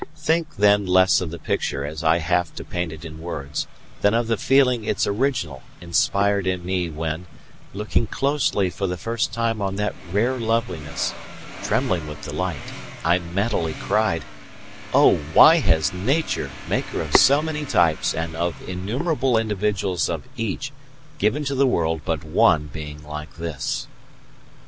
Think, then, less of the picture as I have to paint it in words than of the feeling its original inspired in me when, looking closely for the first time on that rare loveliness, trembling with delight, I mentally cried: "Oh, why has Nature, maker of so many types and of innumerable individuals of each, given to the world but one being like this?"